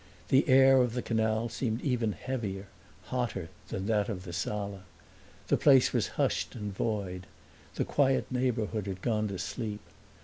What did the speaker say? The air of the canal seemed even heavier, hotter than that of the sala. The place was hushed and void; the quiet neighborhood had gone to sleep.